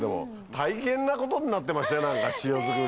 大変なことになってましたよ塩づくり。